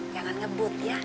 jangan ngebut ya